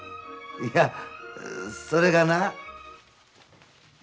いやそれがな。